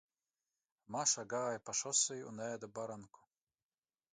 Maša gāja pa šoseju un ēda baranku.